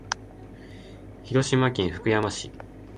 広島県福山市